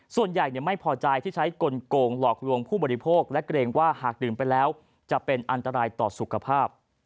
ส่วนใหญ่ไม่พอใจที่ใช้กลงหลอกลวงผู้บริโภคและเกรงว่าหากดื่มไปแล้วจะเป็นอันตรายต่อสุขภาพ